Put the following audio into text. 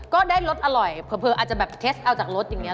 ก็ได้รสอร่อยเผลออาจจะแบบเทสเอาจากรสอย่างนี้